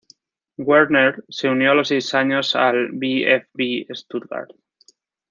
Werner se unió a los seis años al VfB Stuttgart.